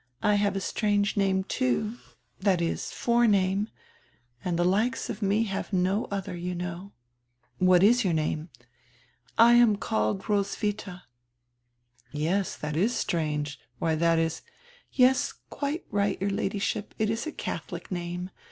I have a strange name, too, that is, forename. And die likes of me have no other, you know." "What is your name?" "I am called Roswitha." "Yes, tlrat is strange; why, that is —" "Yes, quite right, your Ladyship, it is a Catholic name.